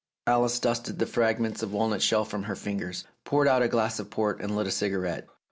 Alice dusted the fragments of walnut shell from her fingers, poured out a glass of port, and lit a cigarette.